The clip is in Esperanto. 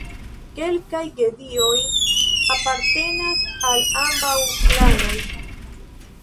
Kelkaj gedioj apartenas al ambaŭ klanoj.